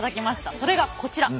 それがこちら！